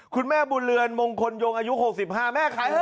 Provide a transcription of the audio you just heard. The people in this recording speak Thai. คุณแม่บุญเรือนมงคลยงอายุ๖๕แม่ใคร